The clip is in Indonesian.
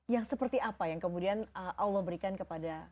yang seperti apa yang kemudian allah berikan kepada